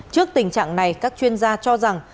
trước tình trạng này các chuyên gia cho rằng